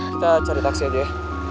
kita cari taksi aja deh